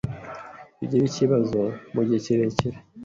ugira ikibazo mu gihe kirekire